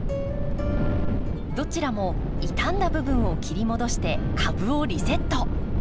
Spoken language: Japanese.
どちらも傷んだ部分を切り戻して株をリセット。